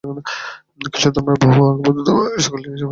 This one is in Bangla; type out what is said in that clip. খ্রীষ্টধর্মের বহু আগে বৌদ্ধধর্মে এই-সকল জিনিষ প্রচলিত ছিল।